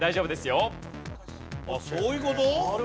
あっそういう事？